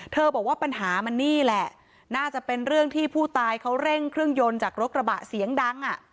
บอกว่าปัญหามันนี่แหละน่าจะเป็นเรื่องที่ผู้ตายเขาเร่งเครื่องยนต์จากรถกระบะเสียงดังอ่ะ